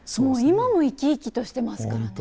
今も生き生きとしてますからね。